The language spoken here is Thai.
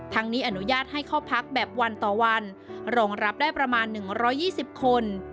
นี้อนุญาตให้เข้าพักแบบวันต่อวันรองรับได้ประมาณ๑๒๐คน